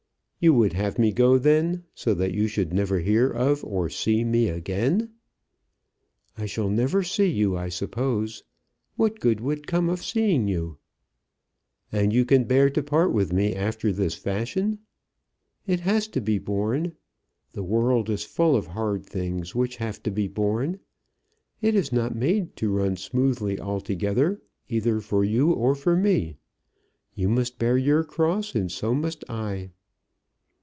"You would have me go then, so that you should never hear of or see me again?" "I shall never see you, I suppose. What good would come of seeing you?" "And you can bear to part with me after this fashion?" "It has to be borne. The world is full of hard things, which have to be borne. It is not made to run smoothly altogether, either for you or for me. You must bear your cross, and so must I."